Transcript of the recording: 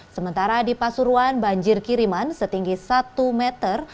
sementara di pasuruan banjir kiriman setinggi satu meter